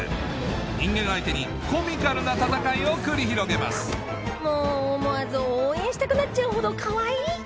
人間相手にコミカルな戦いを繰り広げますも思わず応援したくなっちゃうほどかわいい！